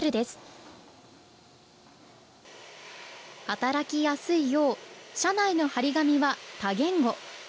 働きやすいよう社内の貼り紙は多言語。